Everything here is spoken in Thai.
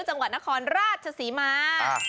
จังหวัดนครราชศรีมา